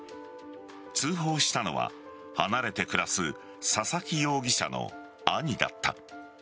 通報したのは、離れて暮らす佐々木容疑者の兄だった。